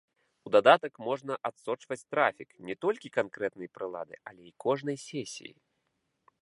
У дадатак можна адсочваць трафік не толькі канкрэтнай прылады, але і кожнай сесіі.